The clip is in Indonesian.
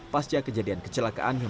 pasca kejadian kecelakaan